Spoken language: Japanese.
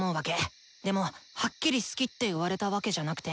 でもはっきり「好き」って言われたわけじゃなくて。